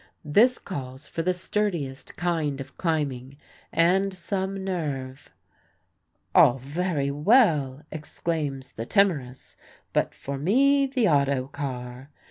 This calls for the sturdiest kind of climbing and some nerve. "All very well," exclaims the timorous, "but for me, the auto car."